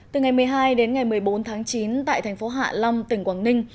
từ ngày một mươi hai đến ngày một mươi bốn tháng chín tại thành phố hạ long tỉnh quảng ninh